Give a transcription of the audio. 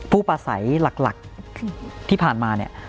ประสัยหลักที่ผ่านมาเนี่ย